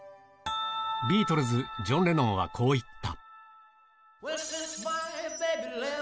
ビートルズ・ジョン・レノンはこう言った。